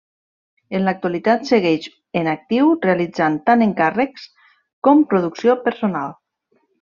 En l'actualitat segueix en actiu realitzant tant encàrrecs com producció personal.